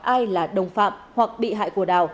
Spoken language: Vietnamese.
ai là đồng phạm hoặc bị hại của đào